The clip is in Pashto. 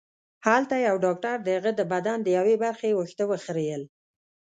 هلته یو ډاکټر د هغه د بدن د یوې برخې وېښته وخریل